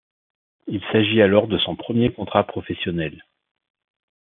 Il s'agit alors de son premier contrat professionnel.